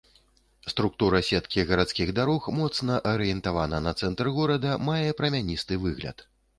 Структура сеткі гарадскіх дарог моцна арыентавана на цэнтр горада, мае прамяністы выгляд.